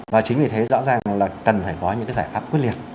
và chính vì thế rõ ràng là cần phải có những cái giải pháp quyết liệt